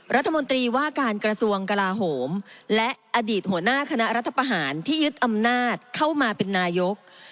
รัฐมนตรีว่าการกระทรวงกลาโหมและอดีตหัวหน้าคณะรัฐประหารที่ยึดอำนาจเข้ามาเป็นนายก